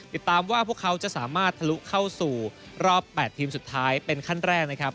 ติดตามว่าพวกเขาจะสามารถทะลุเข้าสู่รอบ๘ทีมสุดท้ายเป็นขั้นแรกนะครับ